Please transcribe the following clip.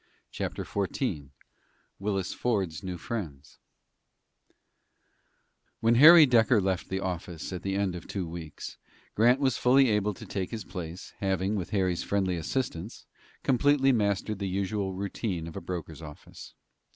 CHAPTER XIV WILLIS FORD'S NEW FRIENDS When Harry Decker left the office at the end of two weeks, Grant was fully able to take his place, having, with Harry's friendly assistance, completely mastered the usual routine of a broker's office.